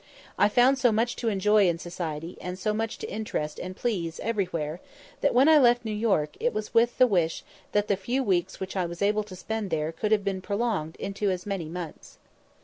I found so much to enjoy in society, and so much to interest and please everywhere, that when I left New York it was with the wish that the few weeks which I was able to spend there could have been prolonged into as many months.